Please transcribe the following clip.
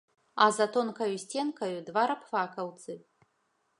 А за тонкаю сценкаю два рабфакаўцы.